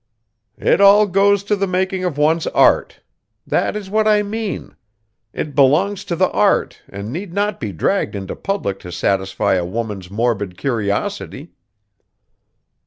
"It all goes to the making of one's art; that is what I mean. It belongs to the art and need not be dragged into public to satisfy a woman's morbid curiosity."